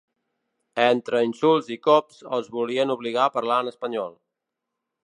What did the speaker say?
Entre insults i cops, els volien obligar a parlar en espanyol.